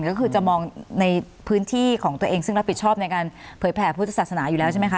ก็คือจะมองในพื้นที่ของตัวเองซึ่งรับผิดชอบในการเผยแผ่พุทธศาสนาอยู่แล้วใช่ไหมคะ